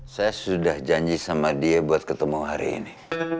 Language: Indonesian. saya sudah janji sama dia buat ketemu hari ini